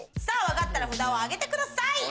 さぁ分かったら札を挙げてください！